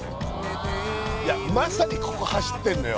いやまさにここ走ってんのよ